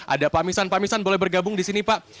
ada pamisan pamisan boleh bergabung di sini pak